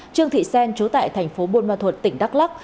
trương thị sen chú tại thành phố buôn ma thuật tỉnh đắk lắc